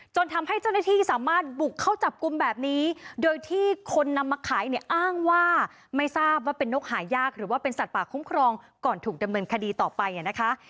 ทำให้เจ้าหน้าที่สามารถบุกเข้าจับกลุ่มแบบนี้โดยที่คนนำมาขายเนี่ยอ้างว่าไม่ทราบว่าเป็นนกหายากหรือว่าเป็นสัตว์ป่าคุ้มครองก่อนถูกดำเนินคดีต่อไปนะคะ